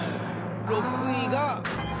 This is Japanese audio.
６位が。